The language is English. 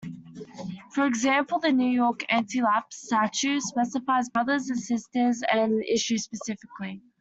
For example, the New York anti-lapse statute specifies brothers, sisters, and issue, specifically.